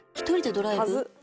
１人でドライブ？